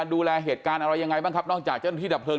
ดูแลเหตุการณ์อะไรยังไงบ้างครับนอกจากเจ้าหน้าที่ดับเลิ